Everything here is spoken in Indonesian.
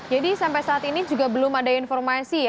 jadi sampai saat ini juga belum ada informasi